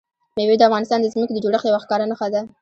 مېوې د افغانستان د ځمکې د جوړښت یوه ښکاره نښه ده.